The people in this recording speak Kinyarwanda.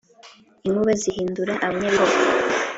inkuba zihindura abanyabihogo